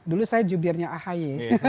dulu saya jubirnya ahy